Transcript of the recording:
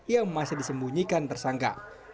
yang masih disembunyikan tersangka